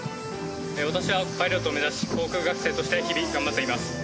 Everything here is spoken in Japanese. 私はパイロットを目指し、航空学生として日々頑張っています。